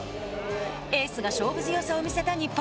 エースが勝負強さを見せた日本。